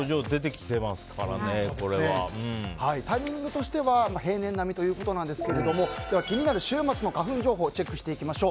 タイミングとしては平年並みということですが気になる週末の花粉情報チェックしていきましょう。